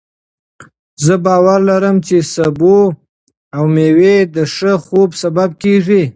زه باور لرم چې سبو او مېوې د ښه خوب سبب کېږي.